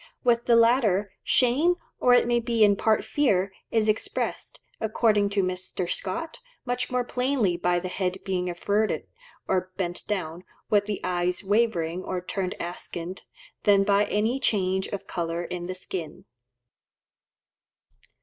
With the latter, shame, or it may be in part fear, is expressed, according to Mr. Scott, much more plainly by the head being averted or bent down, with the eyes wavering or turned askant, than by any change of colour in the skin.